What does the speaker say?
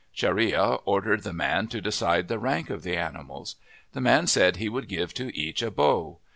Chareya ordered the man to decide the rank of the animals. The man said he would give to each a bow.